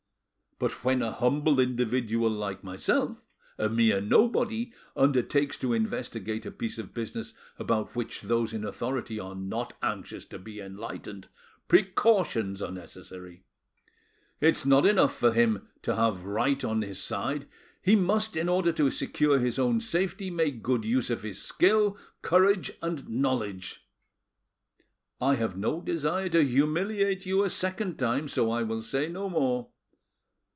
But when a humble individual like myself, a mere nobody, undertakes to investigate a piece of business about which those in authority are not anxious to be enlightened, precautions are necessary. It's not enough for him to have right on his side, he must, in order to secure his own safety, make good use of his skill, courage, and knowledge. I have no desire to humiliate you a second time, so I will say no more.